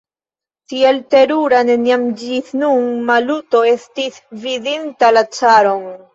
Tiel terura neniam ĝis nun Maluto estis vidinta la caron.